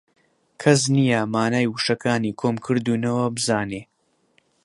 کەس نییە مانای وشەکانی کۆم کردوونەوە بزانێ